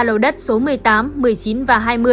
ba lầu đất số một mươi tám một mươi chín và hai mươi